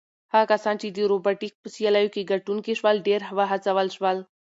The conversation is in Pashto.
هغه کسان چې د روبوټیک په سیالیو کې ګټونکي شول ډېر وهڅول شول.